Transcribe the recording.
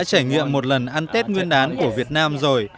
bà đã trải nghiệm một lần ăn tết nguyên đán của việt nam rồi